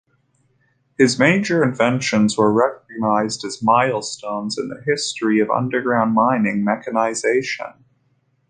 His major inventions were recognized as milestones in the history of underground mining mechanization.